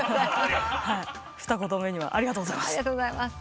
二言目には「ありがとうございます」